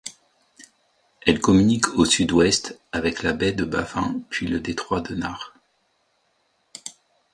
Elle communique au sud-ouest avec la baie de Baffin depuis le détroit de Nares.